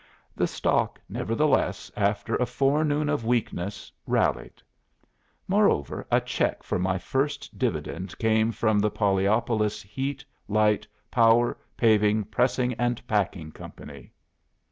The stock, nevertheless, after a forenoon of weakness, rallied. Moreover a check for my first dividend came from the Pollyopolis Heat, Light, Power, Paving, Pressing, and Packing Company."